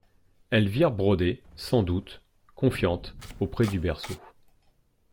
Elvire brodait, sans doute, confiante, auprès du berceau.